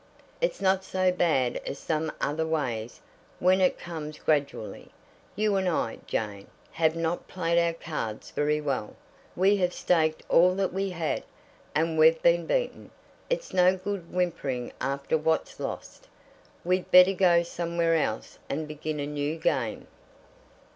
It's not so bad as some other ways when it comes gradually. You and I, Jane, have not played our cards very well. We have staked all that we had, and we've been beaten. It's no good whimpering after what's lost. We'd better go somewhere else and begin a new game."